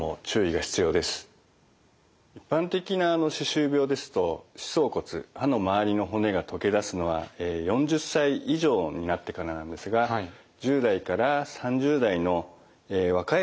一般的な歯周病ですと歯槽骨歯の周りの骨が溶けだすのは４０歳以上になってからなんですが１０代から３０代の若いうちにですね